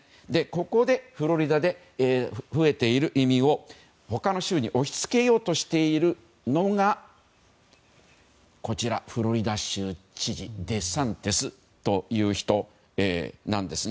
ここでフロリダで増えている移民を他の州に押し付けようとしているのがフロリダ州知事デサンティスという人なんです。